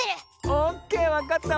オッケーわかったわ。